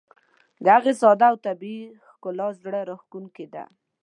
د هغې ساده او طبیعي ښکلا زړه راښکونکې ده.